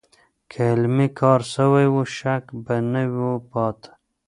که عملي کار سوی و، شک به نه و پاتې.